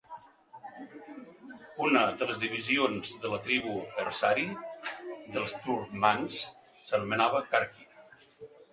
Una de les divisions de la tribu "ersari" dels turcmans s'anomenava "Karki".